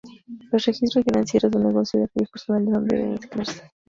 Los registros financieros de un negocio y aquellos personales no deben mezclarse.